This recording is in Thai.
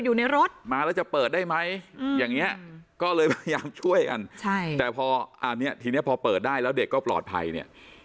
อย่างเนี้ยก็เลยพยายามช่วยกันใช่แต่พออันเนี้ยทีเนี้ยพอเปิดได้แล้วเด็กก็ปลอดภัยเนี้ย